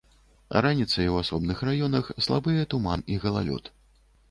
Раніцай у асобных раёнах слабыя туман і галалёд.